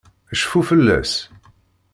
Cfu fell-as.